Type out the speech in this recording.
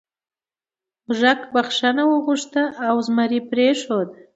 موږک بخښنه وغوښته او زمري پریښود.